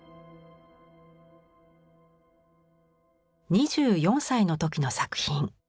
２４歳の時の作品。